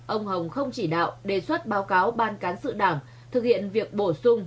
ông hồng không chỉ đạo đề xuất báo cáo ban cán sự đảng thực hiện việc bổ sung